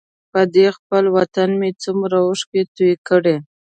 په دې خپل وطن مې څومره اوښکې توی کړې.